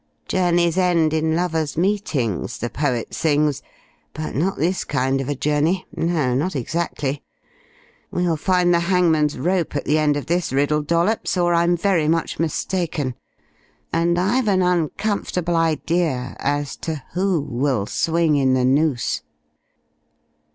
'Journeys end in lovers' meetings' the poet sings, but not this kind of a journey no, not exactly. We'll find the hangman's rope at the end of this riddle, Dollops, or I'm very much mistaken; and I've an uncomfortable idea as to who will swing in the noose."